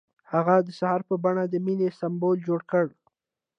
هغه د سهار په بڼه د مینې سمبول جوړ کړ.